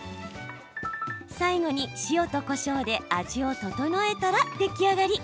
最後に、塩とこしょうで味を調えたら出来上がり。